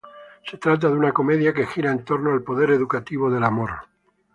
Se trata de una comedia que gira en torno al poder educativo del amor.